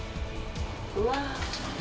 うわー。